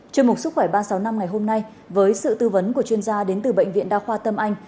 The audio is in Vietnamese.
chương mục sức khỏe ba trăm sáu mươi năm ngày hôm nay với sự tư vấn của chuyên gia đến từ bệnh viện đa khoa tâm anh